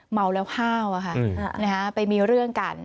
เมาแล้วห้าวไปมีเรื่องกัน